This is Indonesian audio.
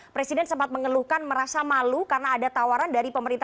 presiden sempat mengeluhkan merasa malu karena ada tawaran dari pemerintah